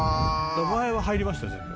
「前は入りましたよ全部」